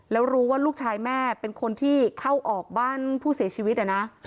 แล้วรู้ว่าลูกชายแม่เป็นคนที่เข้าออกบ้านผู้เสียชีวิตนะ